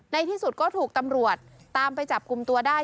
ที่สุดก็ถูกตำรวจตามไปจับกลุ่มตัวได้